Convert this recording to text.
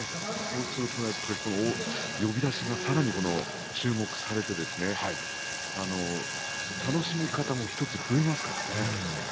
そうすると呼出しがさらに注目されて楽しみ方も１つ増えますからね。